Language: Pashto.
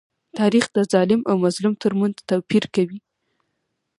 تاریخ د ظالم او مظلوم تر منځ توپير کوي.